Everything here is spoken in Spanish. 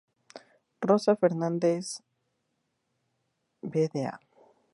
Rosa Fernández vda.